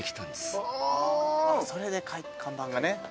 それで看板がね。